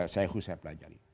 sae hoo saya pelajari